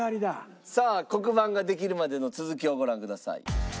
さあ黒板ができるまでの続きをご覧ください。